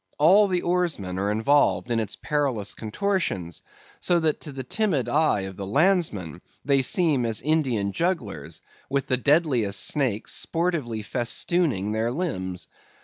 All the oarsmen are involved in its perilous contortions; so that to the timid eye of the landsman, they seem as Indian jugglers, with the deadliest snakes sportively festooning their limbs.